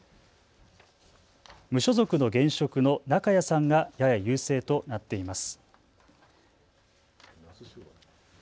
無所属の現職の中屋さんがやや優勢となっています。